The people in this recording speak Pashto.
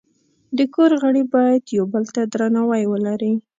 د کور غړي باید یو بل ته درناوی ولري.